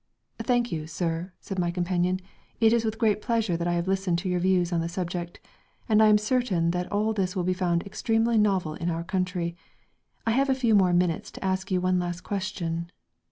"Thank you, sir," said my companion. "It is with great pleasure that I have listened to your views on the subject, and I am certain that all this will be found extremely novel in our country.... I have a few more minutes to ask you one last question...."